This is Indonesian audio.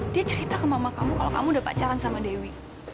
dia cerita ke mama kamu kalau kamu udah pacaran sama dewi